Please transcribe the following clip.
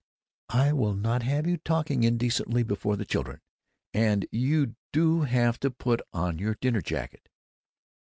"I will not have you talking indecently before the children! And you do have to put on your dinner jacket!"